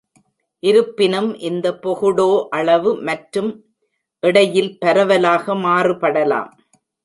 இருப்பினும், இந்த பொகுடோ அளவு மற்றும் எடையில் பரவலாக மாறுபடலாம்.